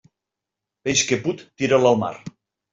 Peix que put, tira'l al mar.